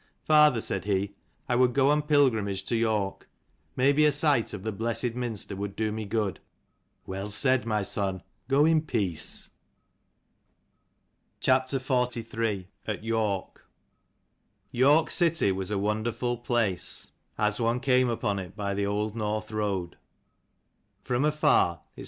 " Father," said he, " I would go on pilgrimage to York. Maybe a sight of the blessed Minster would do me good." " Well said, my son : go in peace." 244 lORK city was a wonderful place CHAPTER as one came upon it by the old XLIII. AT North Road. From afar its YORK.